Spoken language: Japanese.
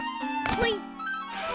ほい！